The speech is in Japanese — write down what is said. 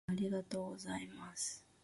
いつもありがとうございます。